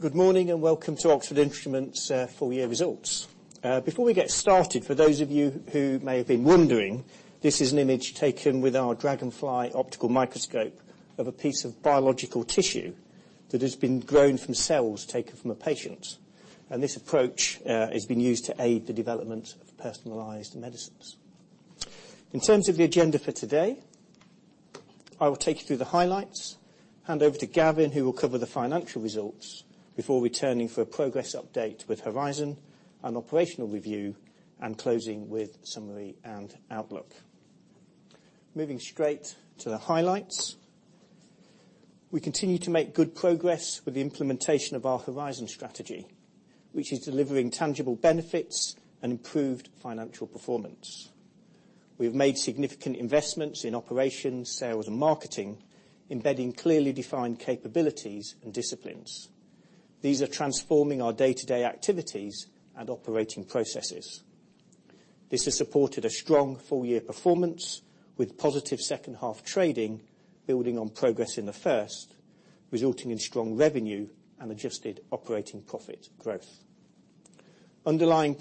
Good morning and welcome to Oxford Instruments' full-year results. Before we get started, for those of you who may have been wondering, this is an image taken with our Dragonfly optical microscope of a piece of biological tissue that has been grown from cells taken from a patient. This approach has been used to aid the development of personalized medicines. In terms of the agenda for today, I will take you through the highlights, hand over to Gavin, who will cover the financial results, before returning for a progress update with Horizon and operational review, and closing with summary and outlook. Moving straight to the highlights, we continue to make good progress with the implementation of our Horizon strategy, which is delivering tangible benefits and improved financial performance. We have made significant investments in operations, sales, and marketing, embedding clearly defined capabilities and disciplines. These are transforming our day-to-day activities and operating processes. This has supported a strong four-year performance with positive second half trading, building on progress in the first, resulting in strong revenue and adjusted operating profit growth. Underlying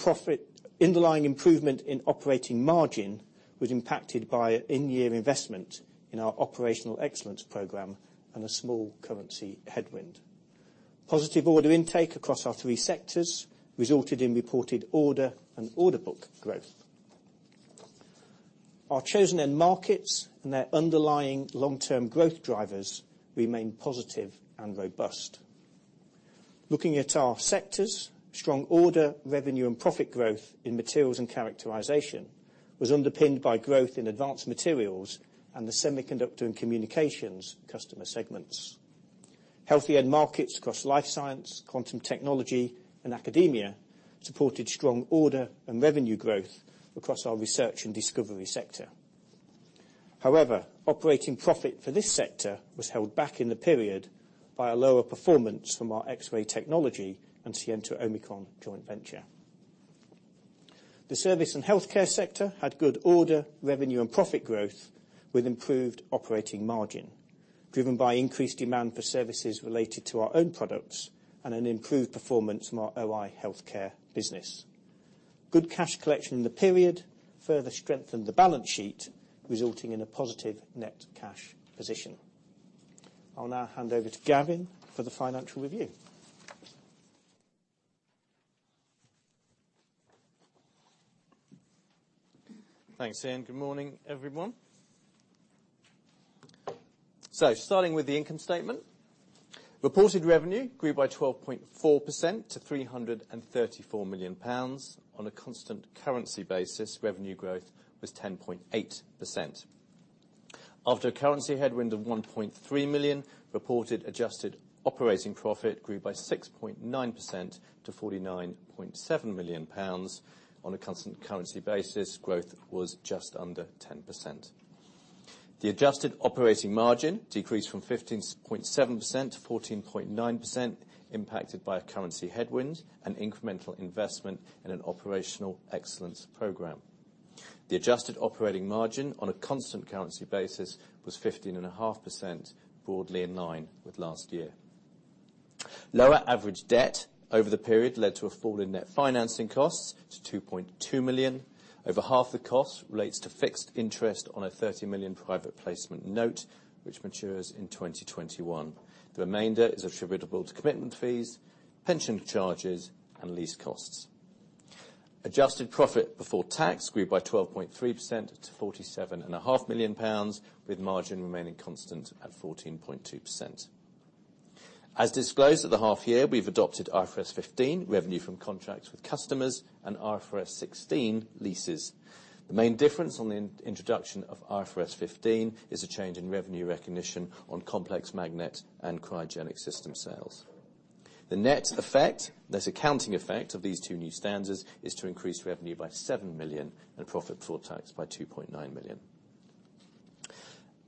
improvement in operating margin was impacted by in-year investment in our operational excellence program and a small currency headwind. Positive order intake across our three sectors resulted in reported order and order book growth. Our chosen end markets and their underlying long-term growth drivers remain positive and robust. Looking at our sectors, strong order, revenue, and profit growth in Materials and Characterization was underpinned by growth in advanced materials and the semiconductor and communications customer segments. Healthy end markets across life science, quantum technology, and academia supported strong order and revenue growth across our Research and Discovery sector. However, operating profit for this sector was held back in the period by a lower performance from our X-ray Technology and Scienta Omicron joint venture. The Service and Healthcare sector had good order, revenue, and profit growth with improved operating margin, driven by increased demand for services related to our own products and an improved performance from our OI Healthcare business. Good cash collection in the period further strengthened the balance sheet, resulting in a positive net cash position. I'll now hand over to Gavin for the financial review. Thanks, Ian. Good morning, everyone. Starting with the income statement, reported revenue grew by 12.4% to 334 million pounds. On a constant currency basis, revenue growth was 10.8%. After a currency headwind of 1.3 million, reported adjusted operating profit grew by 6.9% to 49.7 million pounds. On a constant currency basis, growth was just under 10%. The adjusted operating margin decreased from 15.7% to 14.9%, impacted by a currency headwind and incremental investment in an operational excellence program. The adjusted operating margin on a constant currency basis was 15.5%, broadly in line with last year. Lower average debt over the period led to a fall in net financing costs to 2.2 million. Over half the cost relates to fixed interest on a 30 million private placement note, which matures in 2021. The remainder is attributable to commitment fees, pension charges, and lease costs. Adjusted profit before tax grew by 12.3% to 47.5 million pounds, with margin remaining constant at 14.2%. As disclosed at the half year, we've adopted IFRS 15, revenue from contracts with customers, and IFRS 16, leases. The main difference on the introduction of IFRS 15 is a change in revenue recognition on complex magnet and cryogenic system sales. The net effect, that's accounting effect of these two new standards, is to increase revenue by 7 million and profit before tax by 2.9 million.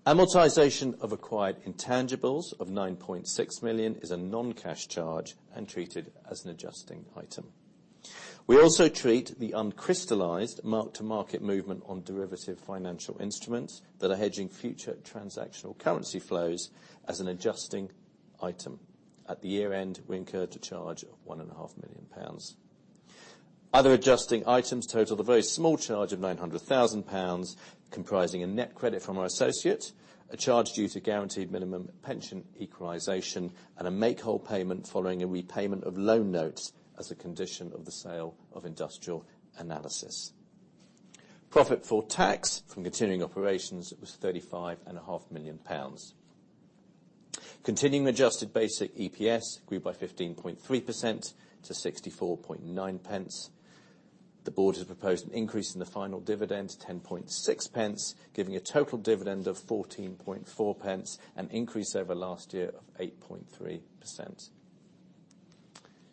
Amortization of acquired intangibles of 9.6 million is a non-cash charge and treated as an adjusting item. We also treat the uncrystallized mark-to-market movement on derivative financial instruments that are hedging future transactional currency flows as an adjusting item. At the year-end, we incurred a charge of 1.5 million pounds. Other adjusting items totaled a very small charge of 900,000 pounds, comprising a net credit from our associate, a charge due to guaranteed minimum pension equalization, and a make-whole payment following a repayment of loan notes as a condition of the sale of Industrial Analysis. Profit for tax from continuing operations was 35.5 million pounds. Continuing adjusted basic EPS grew by 15.3% to 0.649. The Board has proposed an increase in the final dividend to 0.106, giving a total dividend of 0.144, an increase over last year of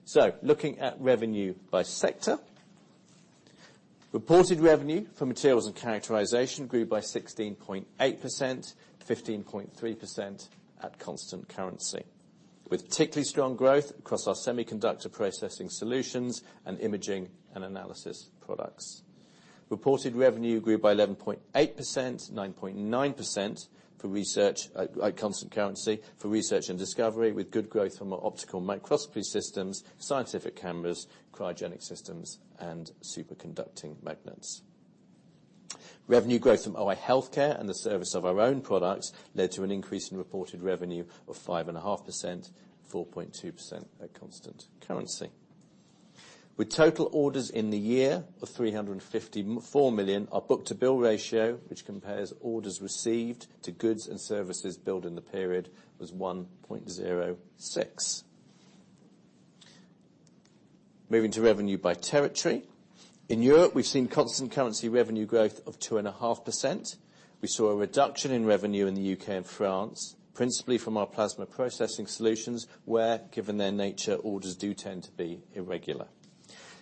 8.3%. Looking at revenue by sector, reported revenue for Materials and Characterization grew by 16.8%, 15.3% at constant currency, with particularly strong growth across our semiconductor processing solutions and imaging and analysis products. Reported revenue grew by 11.8%, 9.9% at constant currency for Research and Discovery, with good growth from our optical microscopy systems, scientific cameras, cryogenic systems, and superconducting magnets. Revenue growth from OI Healthcare and the service of our own products led to an increase in reported revenue of 5.5%, 4.2% at constant currency. With total orders in the year of 354 million, our book-to-bill ratio, which compares orders received to goods and services billed in the period, was 1.06. Moving to revenue by territory, in Europe, we've seen constant currency revenue growth of 2.5%. We saw a reduction in revenue in the U.K. and France, principally from our plasma processing solutions, where, given their nature, orders do tend to be irregular.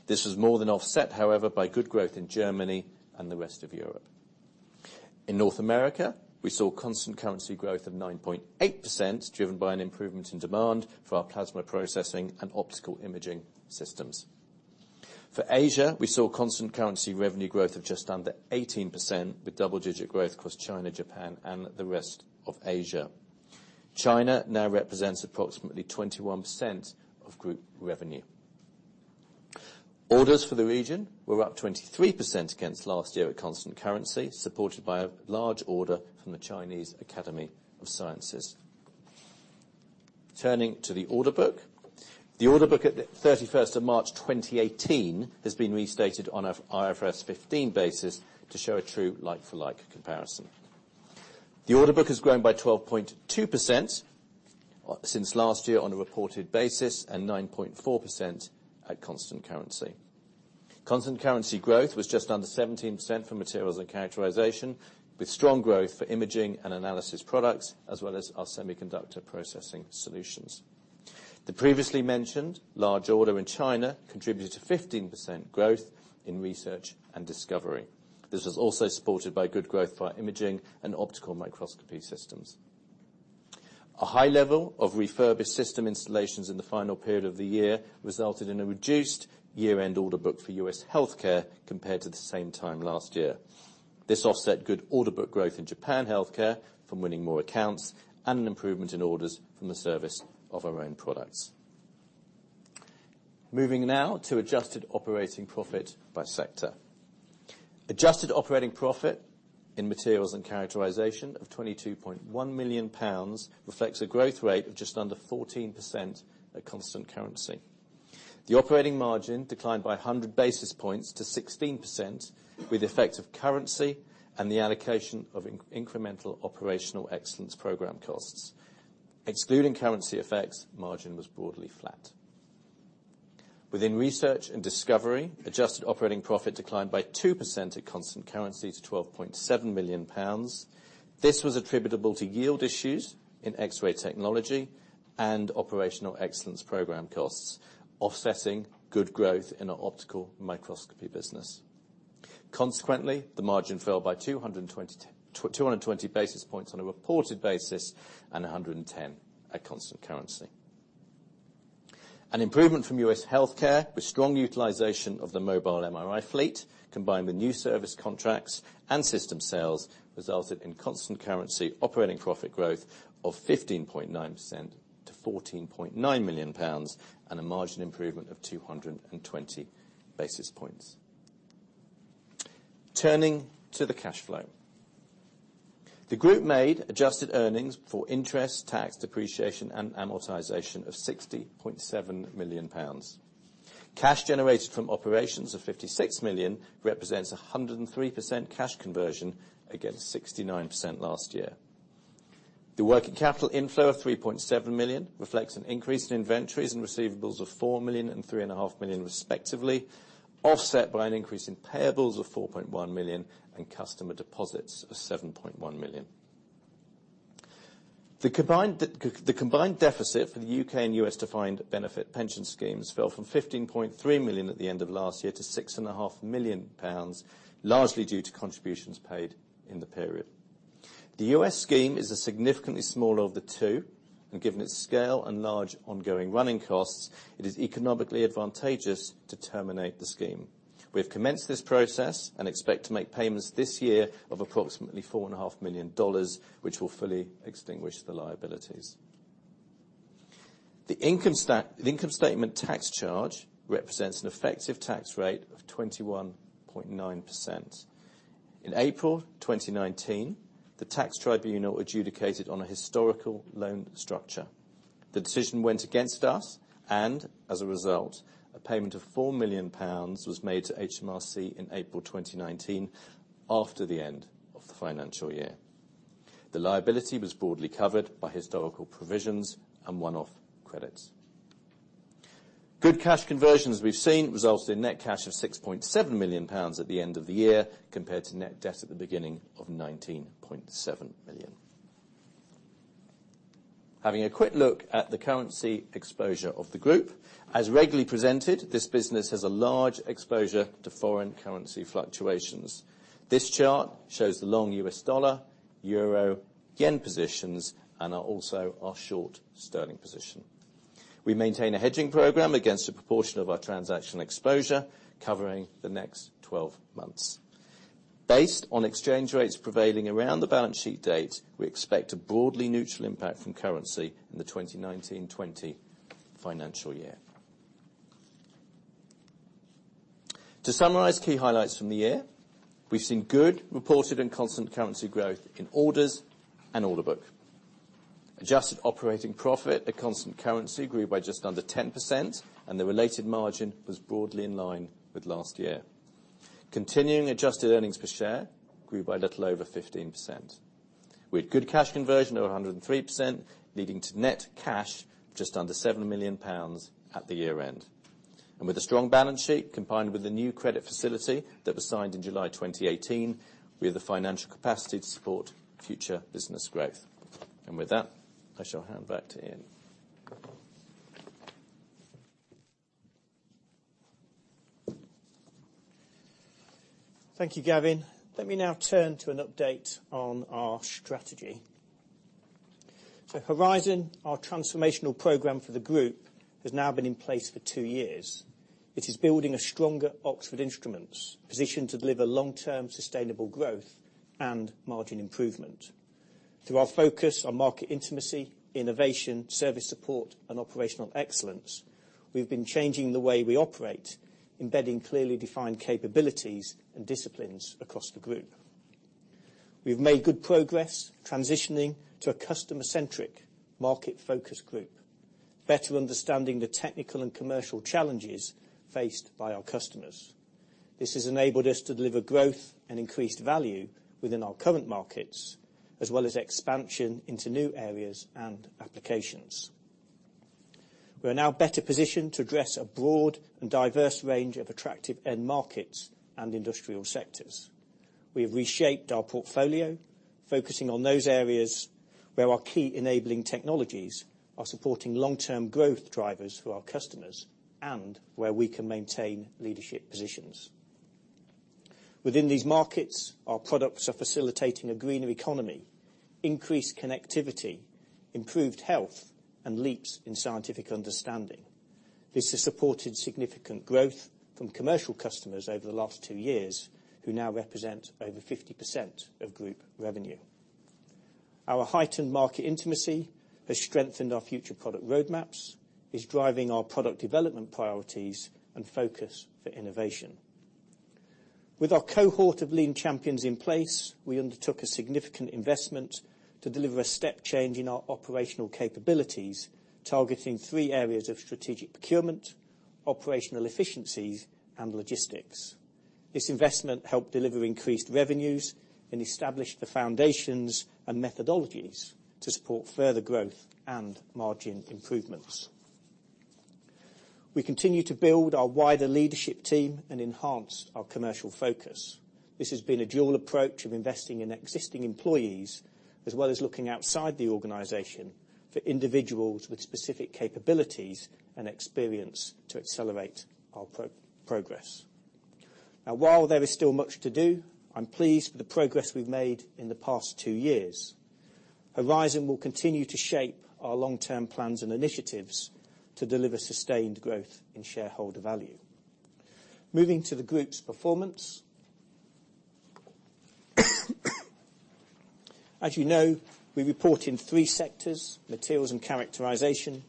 This was more than offset, however, by good growth in Germany and the rest of Europe. In North America, we saw constant currency growth of 9.8%, driven by an improvement in demand for our plasma processing and optical imaging systems. For Asia, we saw constant currency revenue growth of just under 18%, with double-digit growth across China, Japan, and the rest of Asia. China now represents approximately 21% of group revenue. Orders for the region were up 23% against last year at constant currency, supported by a large order from the Chinese Academy of Sciences. Turning to the order book, the order book at the 31st of March 2018 has been restated on an IFRS 15 basis to show a true like-for-like comparison. The order book has grown by 12.2% since last year on a reported basis and 9.4% at constant currency. Constant currency growth was just under 17% for Materials and Characterization, with strong growth for imaging and analysis products, as well as our semiconductor processing solutions. The previously mentioned large order in China contributed to 15% growth in Research and Discovery. This was also supported by good growth for imaging and optical microscopy systems. A high level of refurbished system installations in the final period of the year resulted in a reduced year-end order book for U.S. healthcare compared to the same time last year. This offset good order book growth in Japan healthcare from winning more accounts and an improvement in orders from the service of our own products. Moving now to adjusted operating profit by sector. Adjusted operating profit in Materials and Characterization of 22.1 million pounds reflects a growth rate of just under 14% at constant currency. The operating margin declined by 100 basis points to 16% with effect of currency and the allocation of incremental operational excellence program costs. Excluding currency effects, margin was broadly flat. Within Research and Discovery, adjusted operating profit declined by 2% at constant currency to 12.7 million pounds. This was attributable to yield issues in X-ray Technology and operational excellence program costs, offsetting good growth in our optical microscopy business. Consequently, the margin fell by 220 basis points on a reported basis and 110 at constant currency. An improvement from U.S. healthcare with strong utilization of the mobile MRI fleet, combined with new service contracts and system sales, resulted in constant currency operating profit growth of 15.9% to 14.9 million pounds and a margin improvement of 220 basis points. Turning to the cash flow, the group made adjusted earnings for interest, tax, depreciation, and amortization of 60.7 million pounds. Cash generated from operations of 56 million represents a 103% cash conversion against 69% last year. The working capital inflow of 3.7 million reflects an increase in inventories and receivables of 4 million and 3.5 million, respectively, offset by an increase in payables of 4.1 million and customer deposits of 7.1 million. The combined deficit for the U.K. and U.S. defined benefit pension schemes fell from 15.3 million at the end of last year to 6.5 million pounds, largely due to contributions paid in the period. The U.S. scheme is significantly smaller of the two, and given its scale and large ongoing running costs, it is economically advantageous to terminate the scheme. We have commenced this process and expect to make payments this year of approximately $4.5 million, which will fully extinguish the liabilities. The income statement tax charge represents an effective tax rate of 21.9%. In April 2019, the tax tribunal adjudicated on a historical loan structure. The decision went against us, and as a result, a payment of 4 million pounds was made to HMRC in April 2019 after the end of the financial year. The liability was broadly covered by historical provisions and one-off credits. Good cash conversions we've seen resulted in net cash of 6.7 million pounds at the end of the year, compared to net debt at the beginning of 19.7 million. Having a quick look at the currency exposure of the group, as regularly presented, this business has a large exposure to foreign currency fluctuations. This chart shows the long U.S. dollar, euro, yen positions, and also our short sterling position. We maintain a hedging program against a proportion of our transactional exposure covering the next 12 months. Based on exchange rates prevailing around the balance sheet date, we expect a broadly neutral impact from currency in the 2019-2020 financial year. To summarize key highlights from the year, we've seen good reported and constant currency growth in orders and order book. Adjusted operating profit at constant currency grew by just under 10%, and the related margin was broadly in line with last year. Continuing adjusted earnings per share grew by little over 15%. We had good cash conversion of 103%, leading to net cash just under 7 million pounds at the year-end. With a strong balance sheet combined with the new credit facility that was signed in July 2018, we have the financial capacity to support future business growth. With that, I shall hand back to Ian. Thank you, Gavin. Let me now turn to an update on our strategy. Horizon, our transformational program for the group, has now been in place for two years. It is building a stronger Oxford Instruments position to deliver long-term sustainable growth and margin improvement. Through our focus on market intimacy, innovation, service support, and operational excellence, we've been changing the way we operate, embedding clearly defined capabilities and disciplines across the group. We've made good progress transitioning to a customer-centric, market-focused group, better understanding the technical and commercial challenges faced by our customers. This has enabled us to deliver growth and increased value within our current markets, as well as expansion into new areas and applications. We're now better positioned to address a broad and diverse range of attractive end markets and industrial sectors. We have reshaped our portfolio, focusing on those areas where our key enabling technologies are supporting long-term growth drivers for our customers and where we can maintain leadership positions. Within these markets, our products are facilitating a greener economy, increased connectivity, improved health, and leaps in scientific understanding. This has supported significant growth from commercial customers over the last two years, who now represent over 50% of group revenue. Our heightened market intimacy has strengthened our future product roadmaps, is driving our product development priorities, and focus for innovation. With our cohort of lean champions in place, we undertook a significant investment to deliver a step change in our operational capabilities, targeting three areas of strategic procurement, operational efficiencies, and logistics. This investment helped deliver increased revenues and established the foundations and methodologies to support further growth and margin improvements. We continue to build our wider leadership team and enhance our commercial focus. This has been a dual approach of investing in existing employees, as well as looking outside the organization for individuals with specific capabilities and experience to accelerate our progress. Now, while there is still much to do, I'm pleased with the progress we've made in the past two years. Horizon will continue to shape our long-term plans and initiatives to deliver sustained growth in shareholder value. Moving to the group's performance, as you know, we report in three sectors: Materials and Characterization,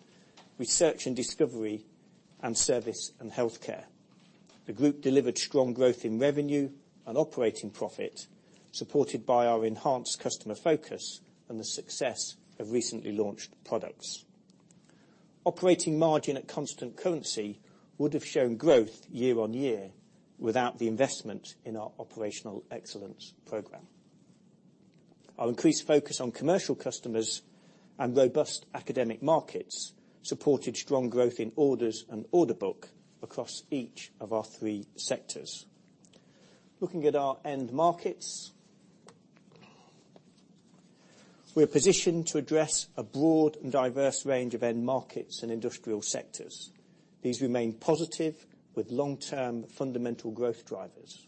Research and Discovery, and Service and Healthcare. The group delivered strong growth in revenue and operating profit, supported by our enhanced customer focus and the success of recently launched products. Operating margin at constant currency would have shown growth year-on-year without the investment in our operational excellence program. Our increased focus on commercial customers and robust academic markets supported strong growth in orders and order book across each of our three sectors. Looking at our end markets, we are positioned to address a broad and diverse range of end markets and industrial sectors. These remain positive with long-term fundamental growth drivers.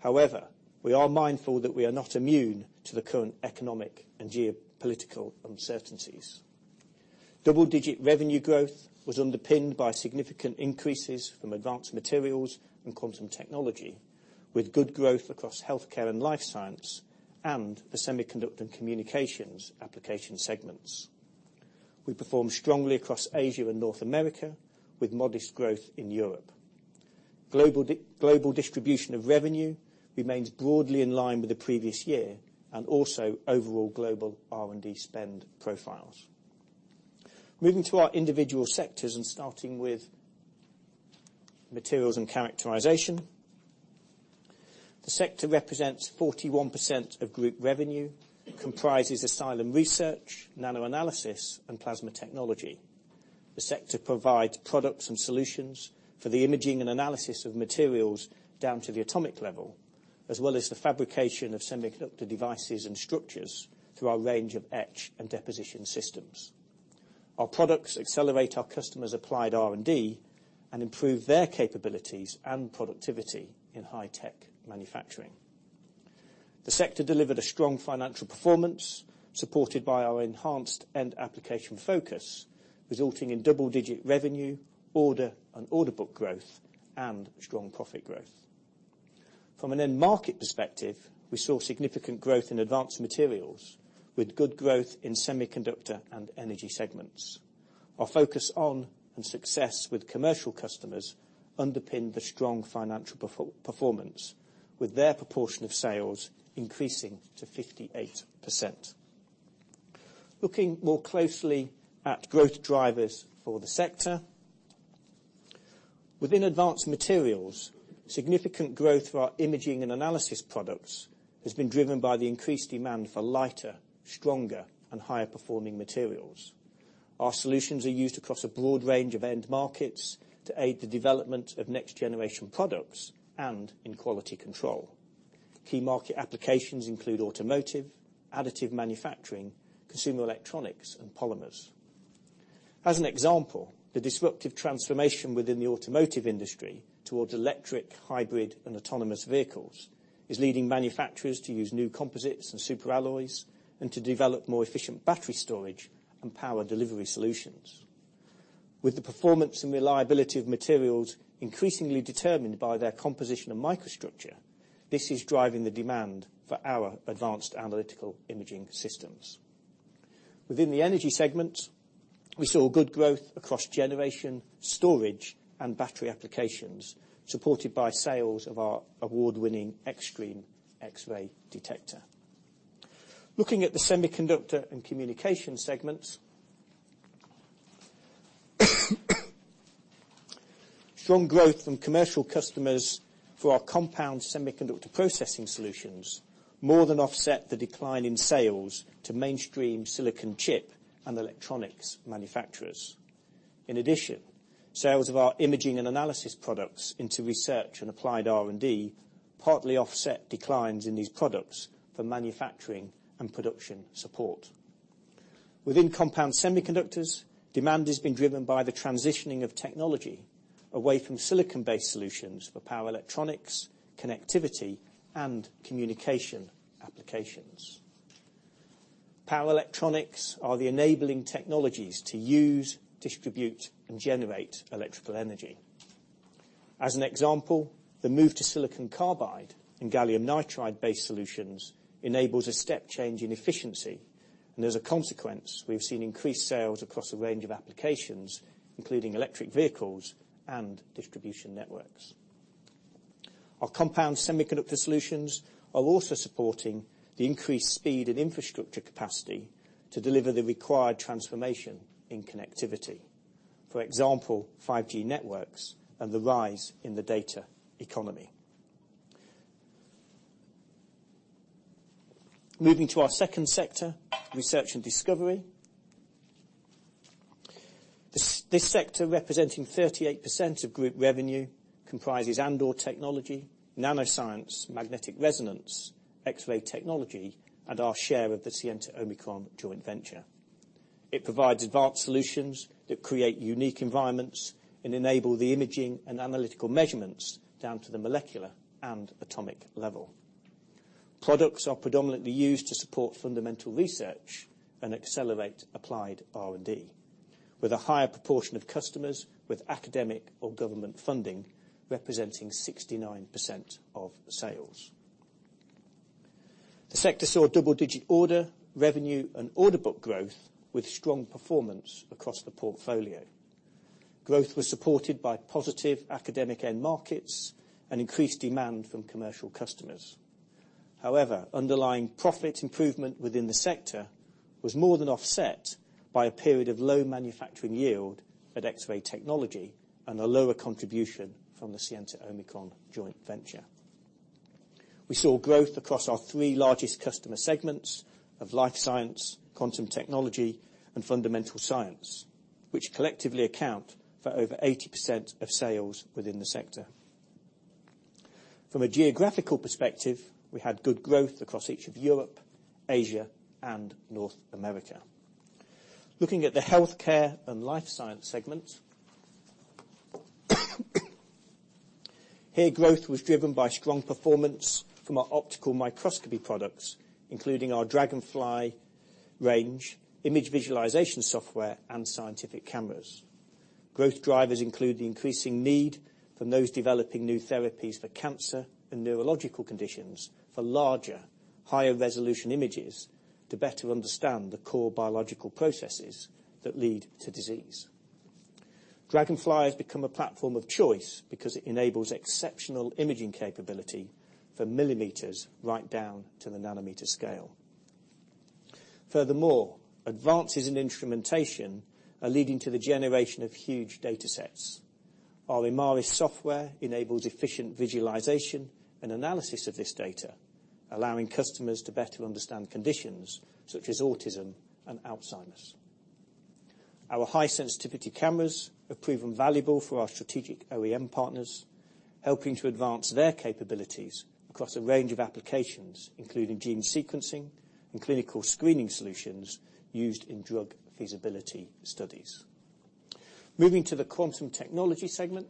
However, we are mindful that we are not immune to the current economic and geopolitical uncertainties. Double-digit revenue growth was underpinned by significant increases from advanced materials and quantum technology, with good growth across healthcare and life science and the semiconductor and communications application segments. We perform strongly across Asia and North America, with modest growth in Europe. Global distribution of revenue remains broadly in line with the previous year and also overall global R&D spend profiles. Moving to our individual sectors and starting with Materials and Characterization, the sector represents 41% of group revenue, comprises Asylum Research, NanoAnalysis, and Plasma Technology. The sector provides products and solutions for the imaging and analysis of materials down to the atomic level, as well as the fabrication of semiconductor devices and structures through our range of etch and deposition systems. Our products accelerate our customers' applied R&D and improve their capabilities and productivity in high-tech manufacturing. The sector delivered a strong financial performance, supported by our enhanced end application focus, resulting in double-digit revenue, order and order book growth, and strong profit growth. From an end market perspective, we saw significant growth in advanced materials, with good growth in semiconductor and energy segments. Our focus on and success with commercial customers underpinned the strong financial performance, with their proportion of sales increasing to 58%. Looking more closely at growth drivers for the sector, within advanced materials, significant growth for our imaging and analysis products has been driven by the increased demand for lighter, stronger, and higher-performing materials. Our solutions are used across a broad range of end markets to aid the development of next-generation products and in quality control. Key market applications include automotive, additive manufacturing, consumer electronics, and polymers. As an example, the disruptive transformation within the automotive industry towards electric, hybrid, and autonomous vehicles is leading manufacturers to use new composites and super alloys and to develop more efficient battery storage and power delivery solutions. With the performance and reliability of materials increasingly determined by their composition and microstructure, this is driving the demand for our advanced analytical imaging systems. Within the energy segment, we saw good growth across generation, storage, and battery applications, supported by sales of our award-winning Extreme X-ray detector. Looking at the semiconductor and communication segments, strong growth from commercial customers for our compound semiconductor processing solutions more than offset the decline in sales to mainstream silicon chip and electronics manufacturers. In addition, sales of our imaging and analysis products into research and applied R&D partly offset declines in these products for manufacturing and production support. Within compound semiconductors, demand has been driven by the transitioning of technology away from silicon-based solutions for power electronics, connectivity, and communication applications. Power electronics are the enabling technologies to use, distribute, and generate electrical energy. As an example, the move to silicon carbide and gallium nitride-based solutions enables a step change in efficiency, and as a consequence, we've seen increased sales across a range of applications, including electric vehicles and distribution networks. Our compound semiconductor solutions are also supporting the increased speed and infrastructure capacity to deliver the required transformation in connectivity, for example, 5G networks and the rise in the data economy. Moving to our second sector, Research and Discovery, this sector representing 38% of group revenue comprises Andor Technology, NanoScience, Magnetic Resonance, X-ray Technology, and our share of the Scienta Omicron joint venture. It provides advanced solutions that create unique environments and enable the imaging and analytical measurements down to the molecular and atomic level. Products are predominantly used to support fundamental research and accelerate applied R&D, with a higher proportion of customers with academic or government funding representing 69% of sales. The sector saw double-digit order revenue and order book growth, with strong performance across the portfolio. Growth was supported by positive academic end markets and increased demand from commercial customers. However, underlying profit improvement within the sector was more than offset by a period of low manufacturing yield at X-ray Technology and a lower contribution from the Scienta Omicron joint venture. We saw growth across our three largest customer segments of life science, quantum technology, and fundamental science, which collectively account for over 80% of sales within the sector. From a geographical perspective, we had good growth across each of Europe, Asia, and North America. Looking at the healthcare and life science segment, here growth was driven by strong performance from our optical microscopy products, including our Dragonfly range, image visualization software, and scientific cameras. Growth drivers include the increasing need for those developing new therapies for cancer and neurological conditions for larger, higher-resolution images to better understand the core biological processes that lead to disease. Dragonfly has become a platform of choice because it enables exceptional imaging capability for millimeters right down to the nanometer scale. Furthermore, advances in instrumentation are leading to the generation of huge data sets. Our Imaris software enables efficient visualization and analysis of this data, allowing customers to better understand conditions such as autism and Alzheimer's. Our high-sensitivity cameras have proven valuable for our strategic OEM partners, helping to advance their capabilities across a range of applications, including gene sequencing and clinical screening solutions used in drug feasibility studies. Moving to the quantum technology segment,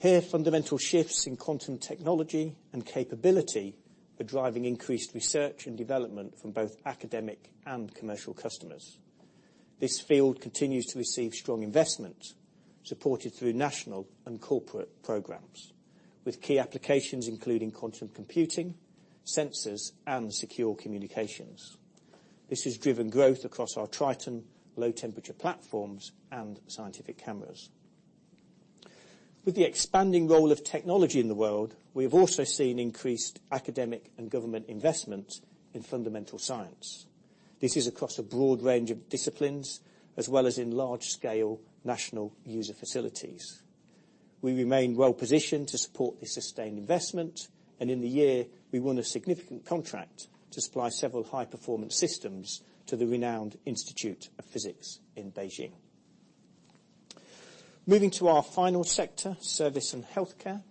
here fundamental shifts in quantum technology and capability are driving increased research and development from both academic and commercial customers. This field continues to receive strong investment, supported through national and corporate programs, with key applications including quantum computing, sensors, and secure communications. This has driven growth across our Triton, low-temperature platforms, and scientific cameras. With the expanding role of technology in the world, we have also seen increased academic and government investment in fundamental science. This is across a broad range of disciplines, as well as in large-scale national user facilities. We remain well-positioned to support this sustained investment, and in the year, we won a significant contract to supply several high-performance systems to the renowned Institute of Physics in Beijing. Moving to our final sector, Service and Healthcare.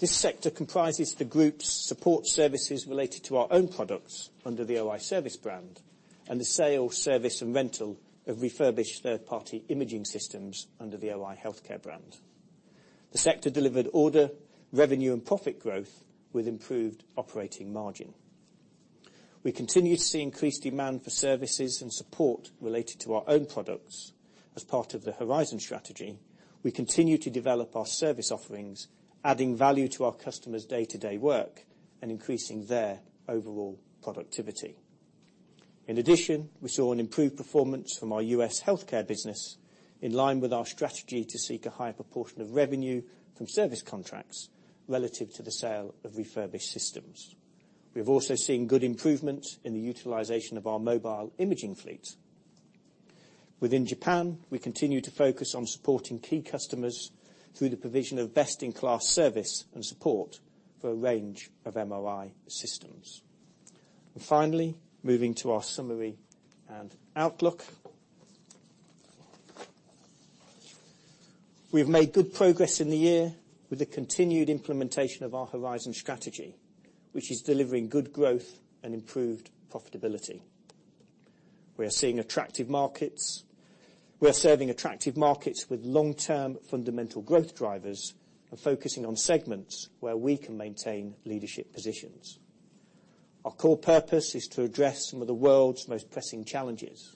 This sector comprises the group's support services related to our own products under the OI Service brand and the sale, service, and rental of refurbished third-party imaging systems under the OI Healthcare brand. The sector delivered order revenue and profit growth with improved operating margin. We continue to see increased demand for services and support related to our own products. As part of the Horizon strategy, we continue to develop our service offerings, adding value to our customers' day-to-day work and increasing their overall productivity. In addition, we saw an improved performance from our U.S. healthcare business in line with our strategy to seek a higher proportion of revenue from service contracts relative to the sale of refurbished systems. We have also seen good improvement in the utilization of our mobile imaging fleet. Within Japan, we continue to focus on supporting key customers through the provision of best-in-class service and support for a range of MRI systems. Finally, moving to our summary and outlook, we have made good progress in the year with the continued implementation of our Horizon strategy, which is delivering good growth and improved profitability. We are seeing attractive markets. We are serving attractive markets with long-term fundamental growth drivers and focusing on segments where we can maintain leadership positions. Our core purpose is to address some of the world's most pressing challenges.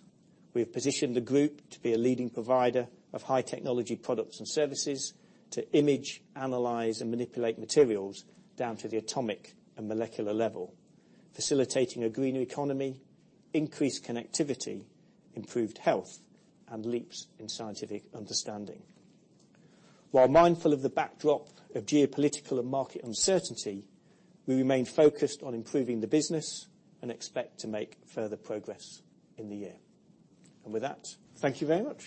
We have positioned the group to be a leading provider of high-technology products and services to image, analyze, and manipulate materials down to the atomic and molecular level, facilitating a greener economy, increased connectivity, improved health, and leaps in scientific understanding. While mindful of the backdrop of geopolitical and market uncertainty, we remain focused on improving the business and expect to make further progress in the year. Thank you very much.